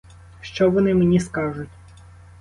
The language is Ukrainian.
Що вони мені скажуть?